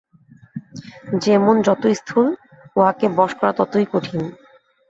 যে-মন যত স্থূল, উহাকে বশ করা ততই কঠিন।